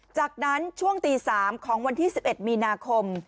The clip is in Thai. จากนั้นช่วงตี๓ของวันที่๑๑มีนาคม